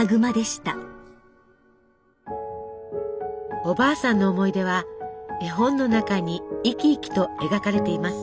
おばあさんの思い出は絵本の中に生き生きと描かれています。